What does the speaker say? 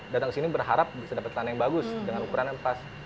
datang ke sini berharap bisa dapat tanah yang bagus dengan ukuran yang pas